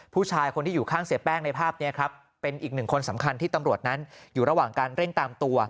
ผู้ชายคนที่อยู่ข้างเสียแป้งในภาพนี้ครับเป็นอีกหนึ่งคนสำคัญที่ตำรวจนั้นอยู่ระหว่างการเร่งตามตัว